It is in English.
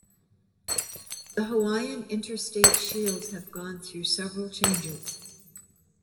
The Hawaiian Interstate shields have gone through several changes.